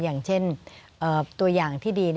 อย่างเช่นตัวอย่างที่ดี